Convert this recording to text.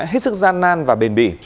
hết sức gian nan và bền bỉ